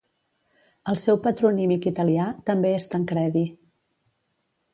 El seu patronímic italià també és Tancredi.